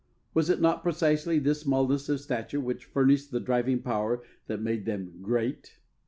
Was it not precisely this smallness of stature which furnished the driving power that made them "great"?